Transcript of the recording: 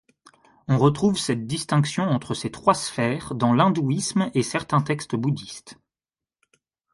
On retrouve cette distinction entre ces trois sphères dans l'hindouisme et certains textes bouddhistes.